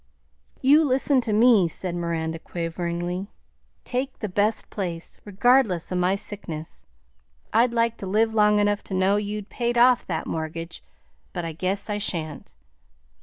"You listen to me," said Miranda quaveringly. "Take the best place, regardless o' my sickness. I'd like to live long enough to know you'd paid off that mortgage, but I guess I shan't."